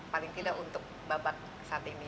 paling tidak untuk babak saat ini